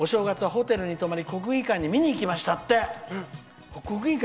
「お正月はホテルに泊まり国技館に見に行きました」って！